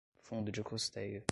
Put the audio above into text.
fundo de custeio